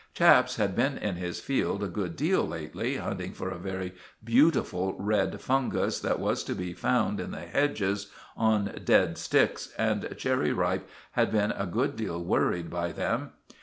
Chaps had been in his field a good deal lately, hunting for a very beautiful red fungus that was to be found in the hedges, on dead sticks, and Cherry Ripe had been a good deal worried by them.